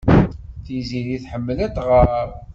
Tiziri tḥemmel ad tɣer.